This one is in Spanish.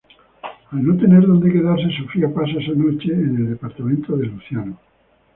Al no tener donde quedarse, Sofía pasa esa noche en el departamento de Luciano.